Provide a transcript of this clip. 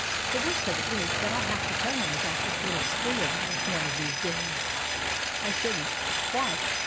The worst of it is that I'll have to tell him about this little spree of ours one of these days." "I shouldn't. Why?"